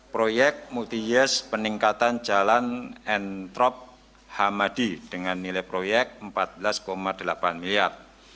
proyek multi yes peningkatan jalan entrop hamadi dengan nilai proyek rp empat belas delapan miliar